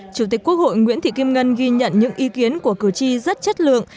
chủ tịch quốc hội nguyễn thị kim ngân ghi nhận những ý kiến của cử tri rất chất lượng